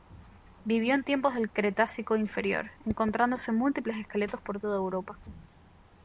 Vivió en tiempos del Cretácico Inferior, encontrándose múltiples esqueletos por toda Europa.